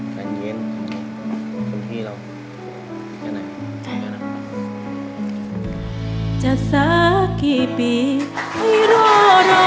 แค่นี้เป็นพี่เราอย่างไรอย่างไรนะ